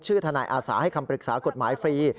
ทนายอาสาให้คำปรึกษากฎหมายฟรี